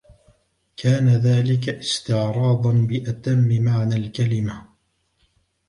كان ذلك استعراضا بأتم معنى الكلمة.